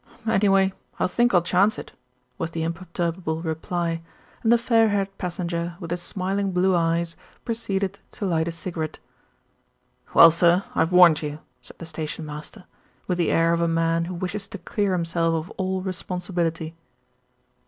"Anyway, I think I'll chance it," was the imperturb able reply, and the fair haired passenger with the smil ing blue eyes proceeded to light a cigarette. "Well, sir, I've warned you," said the station master, with the air of a man who wishes to clear himself of all responsibility.